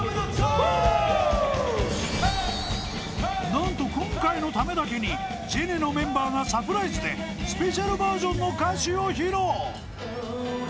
［何と今回のためだけにジェネのメンバーがサプライズでスペシャルバージョンの歌詞を披露］